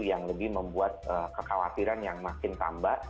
yang lebih membuat kekhawatiran yang makin tambah